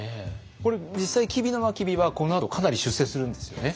これ実際吉備真備はこのあとかなり出世するんですよね。